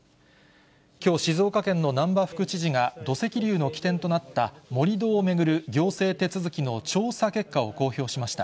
きょう、静岡県の難波副知事が、土石流の起点となった盛り土を巡る行政手続きの調査結果を公表しました。